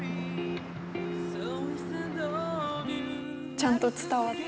ちゃんと伝わった。